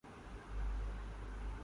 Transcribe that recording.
میں ہوں اور انتظار بے انداز